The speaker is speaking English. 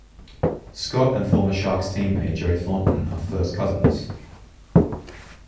Scott and former Sharks teammate Joe Thornton are first cousins.